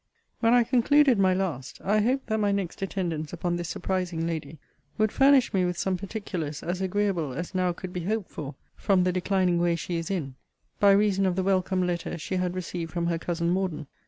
When I concluded my last, I hoped that my next attendance upon this surprising lady would furnish me with some particulars as agreeable as now could be hoped for from the declining way she is in, by reason of the welcome letter she had received from her cousin Morden.